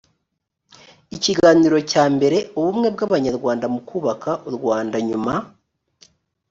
ikiganiro cya mbere ubumwe bw abanyarwanda mu kubaka u rwanda nyuma